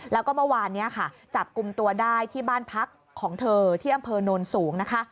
และก็เมื่อวานจับกลุ่มตัวได้ที่บ้านพักของเธอที่อำเภอนนท์สูง